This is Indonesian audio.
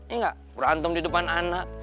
ini gak berantem di depan anak